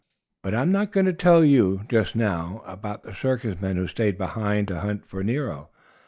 But I'm not going to tell you, just now, about the circus men who stayed behind to hunt Nero.